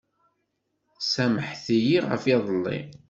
Samḥet-iyi ɣef yiḍelli.